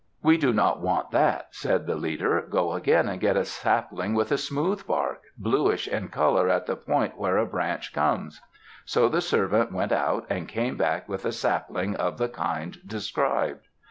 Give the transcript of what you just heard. "We do not want that," said the leader. "Go again and get a sapling with a smooth bark, bluish in color at the joint where a branch comes." So the servant went out, and came back with a sapling of the kind described.